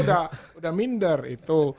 sudah minder itu